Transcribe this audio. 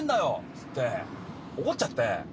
っつって怒っちゃって。